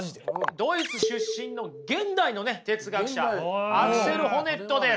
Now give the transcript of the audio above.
ドイツ出身の現代の哲学者アクセル・ホネットです。